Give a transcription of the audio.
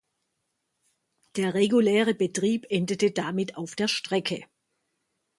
Der reguläre Betrieb endete damit auf der Strecke.